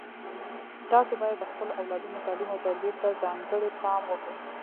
تاسو باید د خپلو اولادونو تعلیم او تربیې ته ځانګړی پام وکړئ